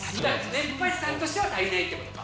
熱波師さんとしては足りないってことか？